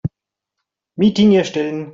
Meeting erstellen.